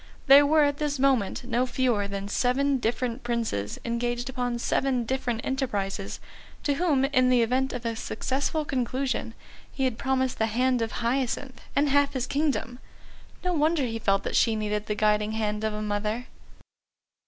There were at this moment no fewer than seven different Princes engaged upon seven different enterprises, to whom, in the event of a successful conclusion, he had promised the hand of Hyacinth and half his kingdom. No wonder he felt that she needed the guiding hand of a mother.